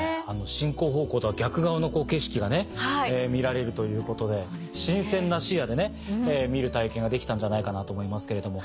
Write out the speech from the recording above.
進行方向とは逆側の景色が見られるということで新鮮な視野で見る体験ができたんじゃないかなと思いますけれども。